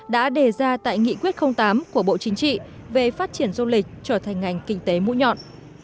đã đề ra tại nghị quyết tám của bộ chính trị về phát triển du lịch trở thành ngành kinh tế mũi nhọn